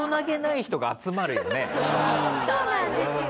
そうなんですよ。